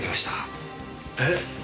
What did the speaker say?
えっ？